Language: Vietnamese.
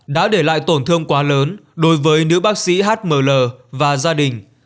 đã để lại tổn thương quá lớn đối với nữ bác sĩ hml và gia đình